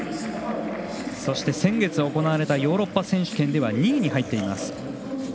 そして先月、行われたヨーロッパ選手権では２位に入っています。